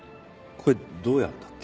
これどうやるんだっけ？